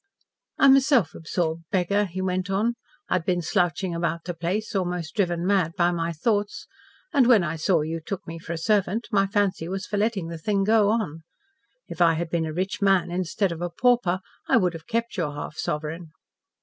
"I am a self absorbed beggar," he went on. "I had been slouching about the place, almost driven mad by my thoughts, and when I saw you took me for a servant my fancy was for letting the thing go on. If I had been a rich man instead of a pauper I would have kept your half sovereign."